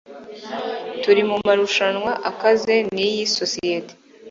Turi mu marushanwa akaze niyi sosiyete